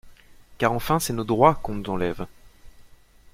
Car enfin c'est nos droits qu'on nous enlève!